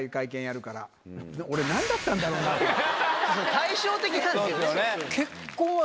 対照的なんですよね。